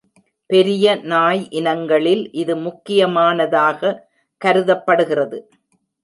பெரிய நாய் இனங்களில் இது முக்கியமானதாக கருதப்படுகிறது.